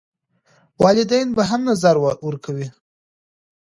والدین به هم نظر ورکوي.